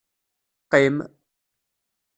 Qqim!